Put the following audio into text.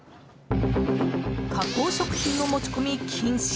加工食品の持ち込み禁止